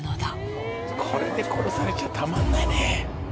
これで殺されちゃたまんないね。